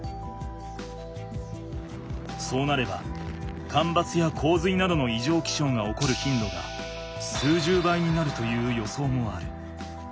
そうなればかんばつやこうずいなどのいじょうきしょうが起こるひんどが数十倍になるという予想もある。